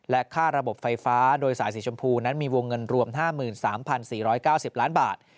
ค่าระบบไฟฟ้าโดยสายสีชมพูนั้นมีวงเงินรวม๕๓๔๙๐ล้านบาท